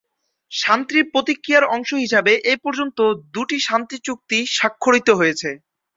শান্তি প্রক্রিয়ার অংশ হিসেবে এ পর্যন্ত দুটি শান্তি চুক্তি স্বাক্ষরিত হয়েছে।